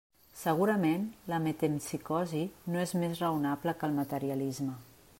Segurament, la metempsicosi no és més raonable que el materialisme.